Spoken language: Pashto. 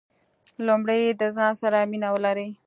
لومړی د ځان سره مینه ولرئ .